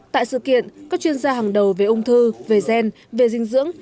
tại sự kiện các chuyên gia hàng đầu về ung thư về gen về dinh dưỡng